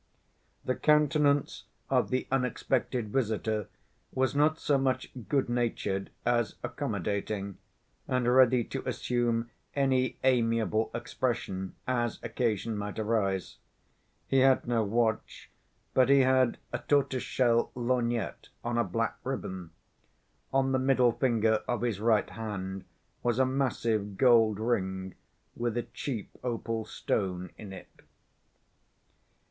The countenance of the unexpected visitor was not so much good‐natured, as accommodating and ready to assume any amiable expression as occasion might arise. He had no watch, but he had a tortoise‐shell lorgnette on a black ribbon. On the middle finger of his right hand was a massive gold ring with a cheap opal stone in it.